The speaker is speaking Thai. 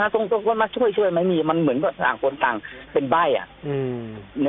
ตรงว่ามาช่วยไหมมีมันเหมือนกับต่างคนต่างเป็นใบ้อ่ะ